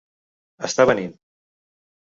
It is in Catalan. Està venint.